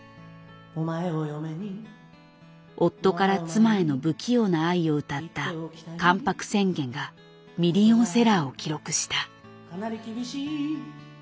夫から妻への不器用な愛を歌った「関白宣言」がミリオンセラーを記録した。